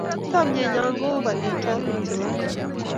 Chamyenyo ko u panitwogik che po iman